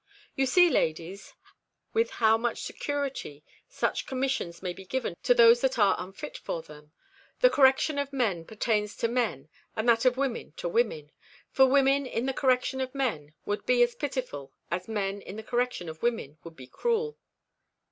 "You see, ladies, with how much security such commissions may be given to those that are unfit for them. The correction of men pertains to men and that of women to women; for women in the correction of men would be as pitiful as men in the correction of women would be cruel."